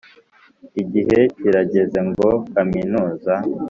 igihe kirageze ngo kaminuza,